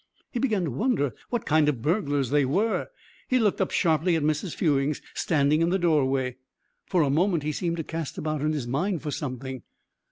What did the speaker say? He began to wonder what kind of burglars they were. He looked up sharply at Mrs. Fewings standing in the doorway. For a moment he seemed to cast about in his mind for something.